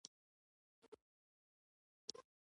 محمود مکار دی.